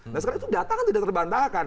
nah sekarang itu data kan tidak terbantahkan